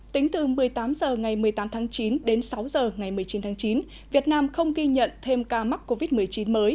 tính từ một mươi tám h ngày một mươi tám tháng chín đến sáu h ngày một mươi chín tháng chín việt nam không ghi nhận thêm ca mắc covid một mươi chín mới